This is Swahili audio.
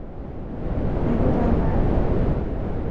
Serikali ya kijeshi ya Sudan imeondoa hali ya dharura ambayo iliwekwa